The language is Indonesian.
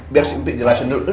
biar si empik jelasin dulu